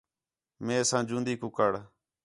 میساں جوندی کُکڑ